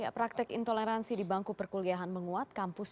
praktek intoleransi di bangku perkuliahan menguat kampus